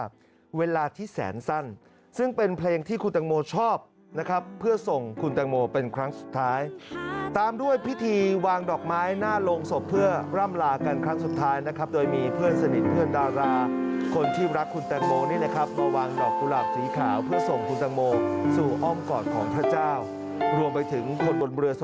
รวมไปถึงคนบนเรือสปีดโบ๊ทด้วยนะครับ